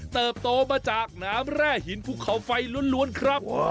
เติบโตมาจากน้ำแหล่หินพุกขาวไฟล้วนครับ